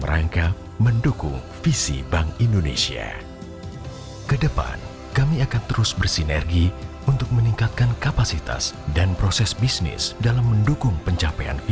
bagaimana cara berkomunikasi dengan cila